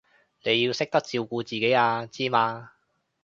你要識得照顧自己啊，知嘛？